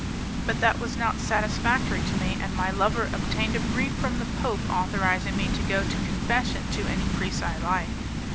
But that was not satisfactory to me, and my lover obtained a brief from the Pope authorizing me to go to confession to any priest I like.